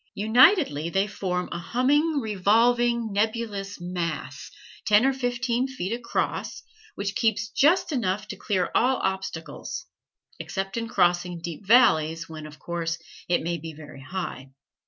Unitedly they form a humming, revolving, nebulous mass, ten or fifteen feet across, which keeps just high enough to clear all obstacles, except in crossing deep valleys, when, of course, it may be very high.